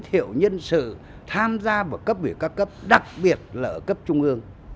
thiệu nhân sự tham gia vào cấp biểu ca cấp đặc biệt là ở cấp trung ương